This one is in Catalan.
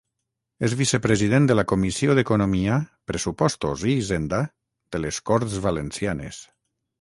És vicepresident de la Comissió d'Economia, Pressupostos i Hisenda de les Corts Valencianes.